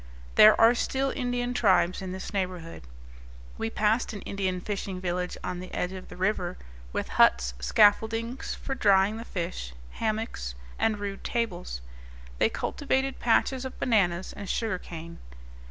There are still Indian tribes in this neighborhood. We passed an Indian fishing village on the edge of the river, with huts, scaffoldings for drying the fish, hammocks, and rude tables. They cultivated patches of bananas and sugar cane.